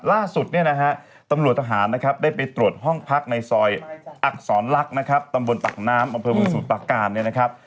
ล่าสุดเนี่ยนะฮะตำรวจทหารนะครับได้ไปตรวจห้องพักในซอยอักษรลักษณ์นะครับตำบลตักน้ำอำเภอเมืองสมุทรประการเนี่ยนะครับ